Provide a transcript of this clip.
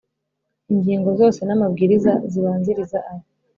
Ingingo zose n amabwiriza zibanziriza aya